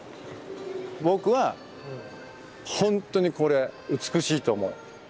僕はほんとにこれ美しいと思う。